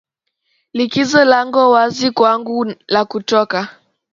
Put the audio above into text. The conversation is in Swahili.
Liko lango wazi kwangu la kutoka.